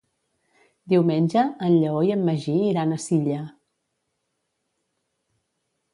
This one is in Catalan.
Diumenge en Lleó i en Magí iran a Silla.